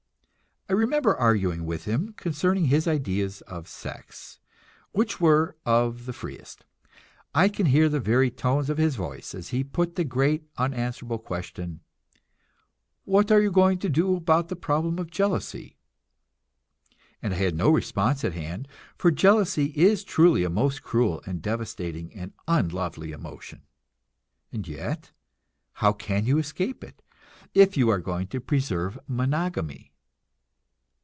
I remember arguing with him concerning his ideas of sex, which were of the freest. I can hear the very tones of his voice as he put the great unanswerable question: "What are you going to do about the problem of jealousy?" And I had no response at hand; for jealousy is truly a most cruel and devastating and unlovely emotion; and yet, how can you escape it, if you are going to preserve monogamy?